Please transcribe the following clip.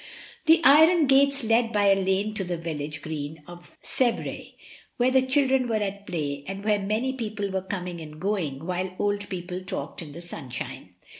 The iron gates led by a lane to the village green of Sevres, where the children were at play and where many people were coming and going, while old people talked in the sunshine.